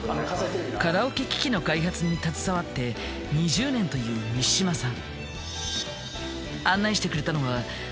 カラオケ機器の開発に携わって２０年という代わりの部屋。